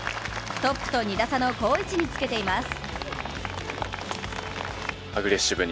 トップと２打差の好位置に付けています。